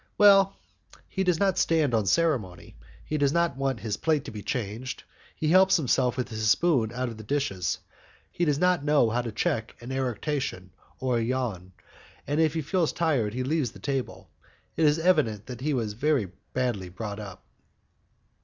"Well, he doesn't stand on ceremony. He does not want his plate to be changed, he helps himself with his spoon out of the dishes; he does not know how to check an eructation or a yawn, and if he feels tired he leaves the table. It is evident that he has been very badly brought up."